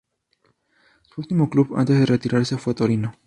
Su último club antes de retirarse fue Torino.